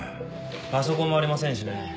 パソコンもありませんしね。